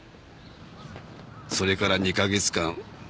それから２カ月間